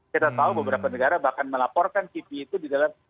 kita tahu beberapa negara bahkan melaporkan kipi itu di dalam